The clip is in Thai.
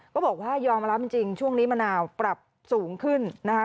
ก็บอกว่ายอมรับจริงช่วงนี้มะนาวปรับสูงขึ้นนะคะ